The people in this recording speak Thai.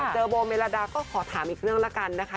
เจอโบเมลาดาก็ขอถามอีกเรื่องละกันนะคะ